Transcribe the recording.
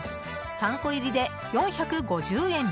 ３個入りで４５０円。